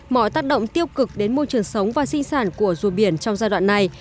mọi tác động tiêu cực đến môi trường sống và sinh sản của rùa biển trong giai đoạn này